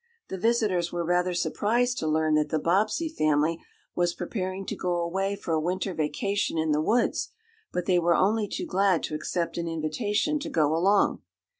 The visitors were rather surprised to learn that the Bobbsey family was preparing to go away for a winter vacation in the woods, but they were only too glad to accept an invitation to go along.